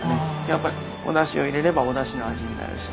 やっぱりおだしを入れればおだしの味になるし。